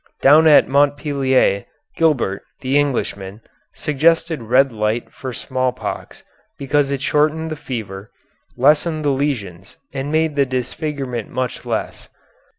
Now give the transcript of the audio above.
Down at Montpellier, Gilbert, the Englishman, suggested red light for smallpox because it shortened the fever, lessened the lesions, and made the disfigurement much less.